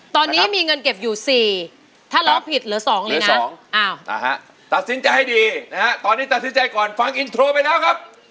ตอนนี้มีเงินเก็บอยู่๔ถ้าร้องผิดเหลือ๒เหรียญ๒ตัดสินใจให้ดีนะฮะตอนนี้ตัดสินใจก่อนฟังอินโทรไปแล้วครับ